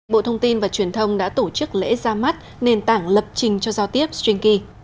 bộ thông tin và truyền thông đã tổ chức lễ ra mắt nền tảng lập trình cho giao tiếp stringy